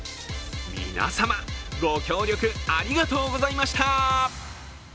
皆様、ご協力ありがとうございました。